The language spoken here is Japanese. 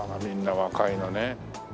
みんな若いのね。